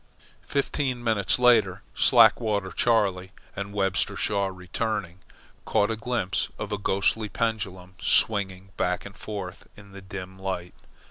Fifteen minutes later, Slackwater Charley and Webster Shaw returning, caught a glimpse of a ghostly pendulum swinging back and forth in the dim light.